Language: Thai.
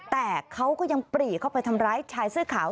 แต่เขาก็ยังปรีเข้าไปทำร้ายชายเสื้อขาว